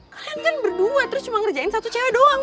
kalian kan berdua terus cuma ngerjain satu cewek doang